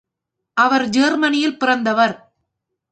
அவர் ஜெர்மனியில் பிறந்தவர்.